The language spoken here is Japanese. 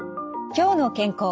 「きょうの健康」